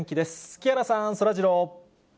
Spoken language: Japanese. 木原さん、そらジロー。